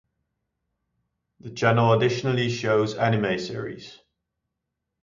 The channel additionally shows anime series.